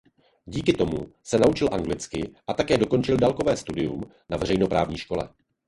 Díky tomu se naučil anglicky a také dokončil dálkové studium na veřejnoprávní škole.